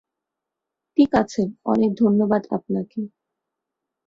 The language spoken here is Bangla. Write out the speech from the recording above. ঠিক আছে, অনেক ধন্যবাদ আপনাকে।